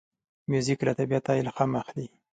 موزیک له طبیعته الهام اخلي.